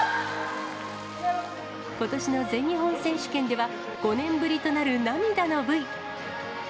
ことしの全日本選手権では、５年ぶりとなる涙のＶ。